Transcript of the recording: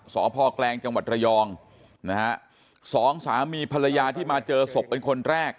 สพแกลงจังหวัดระยองนะฮะสองสามีภรรยาที่มาเจอศพเป็นคนแรก